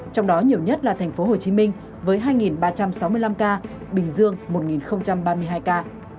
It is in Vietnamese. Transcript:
trong đó nhiều nhất là tp hcm với hai ba trăm sáu mươi năm ca bình dương một ba mươi hai ca